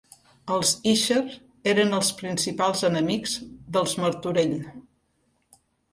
Els Íxer eren els principals enemics dels Martorell.